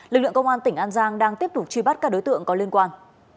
lực lượng công an tỉnh an giang đang tiếp tục truy bắt các đối tượng có liên quan